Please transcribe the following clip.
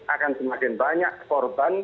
akan semakin banyak korban